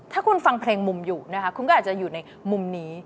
ถ้าคุณฟังเพลงมุมอยู่นะคะคุณก็อาจจะอยู่ในมุมนี้